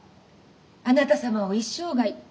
「あなた様を一生涯」。